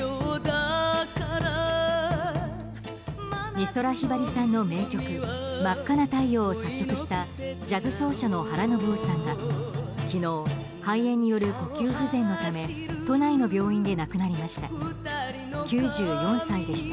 美空ひばりさんの名曲「真赤な太陽」を作曲したジャズ奏者の原信夫さんが昨日、肺炎による呼吸不全のため都内の病院で亡くなりました。